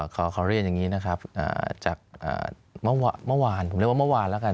ก็ข้อเรียนอย่างงี้นะครับมาวานผมเรียกว่ามาวานละกัน